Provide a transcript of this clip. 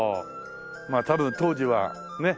まあ多分当時はね